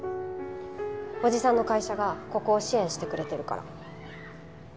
おじさんの会社がここを支援してくれてるから。